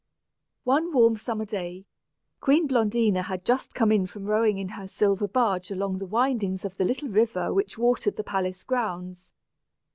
One warm summer day, Queen Blondina had just come in from rowing in her silver barge along the windings of the little river which watered the palace grounds.